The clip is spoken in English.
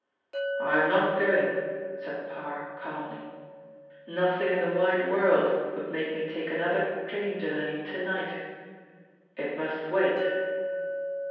"I'm not going," said Parr calmly. "Nothing in the wide world would make me take another train journey to night. It must wait."